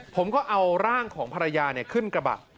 ผมก็เอาร่างของภรรยาขึ้นกระบะ